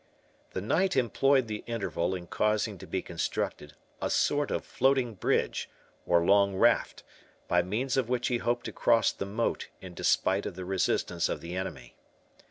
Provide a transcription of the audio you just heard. The knight employed the interval in causing to be constructed a sort of floating bridge, or long raft, by means of which he hoped to cross the moat in despite of the resistance of the enemy.